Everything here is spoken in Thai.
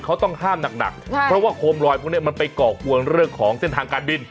เขาต้องห้ามหนักเพราะว่าโคมลอยพวกนี้มันไปก่อกวนเรื่องของเส้นทางการบิน